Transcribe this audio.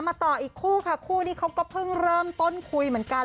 ต่ออีกคู่ค่ะคู่นี้เขาก็เพิ่งเริ่มต้นคุยเหมือนกัน